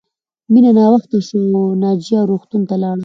مینه ناوخته شوه او ناجیه روغتون ته لاړه